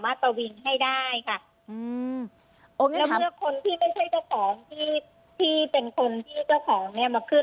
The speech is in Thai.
แล้วเมื่อคนที่ไม่ใช่เจ้าของที่เป็นคนที่เจ้าของมาขึ้น